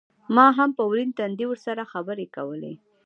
ما هم په ورين تندي ورسره خبرې کولې.